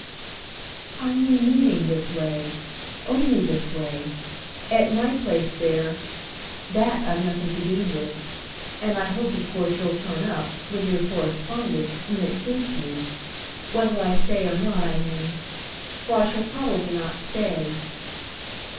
"I mean meeting this way—only this way. At my place there—that I've nothing to do with, and I hope of course you'll turn up, with your correspondence, when it suits you. Whether I stay or not, I mean; for I shall probably not stay."